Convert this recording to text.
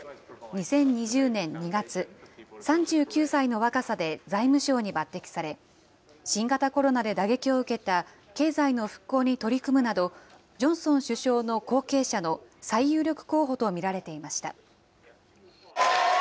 ２０２０年２月、３９歳の若さで財務相に抜てきされ、新型コロナで打撃を受けた経済の復興に取り組むなど、ジョンソン首相の後継者の最有力候補と見られていました。